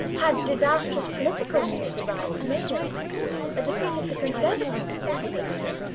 Had disastrous political news arrived from England; a defeat of the Conservatives, for instance?